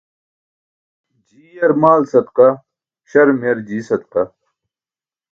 Jii yar maal sadaqa, śarum yar jii sadaqa.